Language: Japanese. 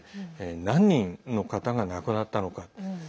何人の方が亡くなったのか。